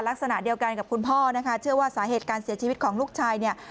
ลักษณะเดียวกันกับคุณพ่อนะคะเชื่อว่าสาเหตุการเสียชีวิตของลูกชายเนี่ย